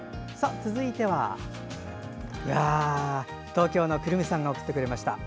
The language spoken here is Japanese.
続いては、東京のくるみさんが送ってくれました。